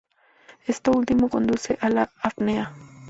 Esto último conduce a la apnea.